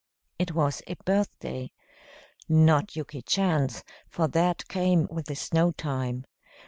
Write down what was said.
It was a birthday. Not Yuki Chan's, for that came with the snow time.